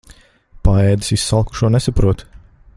Paēdis izsalkušo nesaprot.